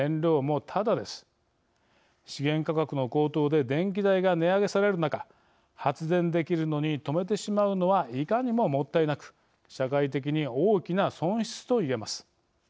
資源価格の高騰で電気代が値上げされる中発電できるのに止めてしまうのはいかにももったいなく社会的に大きな損失と言えます。